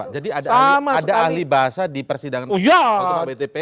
jadi ada ahli bahasa di persidangan pak btp